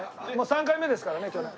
３回目ですからね今日ね。